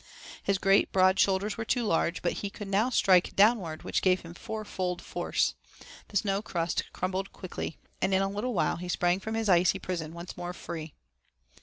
His great broad shoulders were too large, but he could now strike downward, which gave him fourfold force; the snow crust crumbled quickly, and in a little while he sprang from his icy prison once more free.